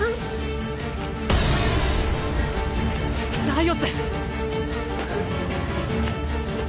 ライオス